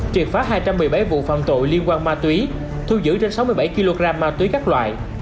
triệt phá hai trăm một mươi bảy vụ phạm tội liên quan ma túy thu giữ trên sáu mươi bảy kg ma túy các loại